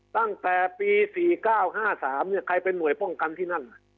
ตั้งแต่ปี๔๙๕๓ใครเป็นห่วยป้องกันที่นั่น